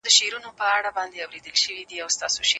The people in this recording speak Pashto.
که ميرمن ښايسته نه وي نو بده هم نه ده.